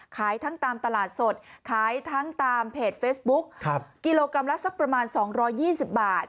ขายทั้งตามตลาดสดขายทั้งตามเพจเฟซบุ๊กกิโลกรัมละสักประมาณ๒๒๐บาท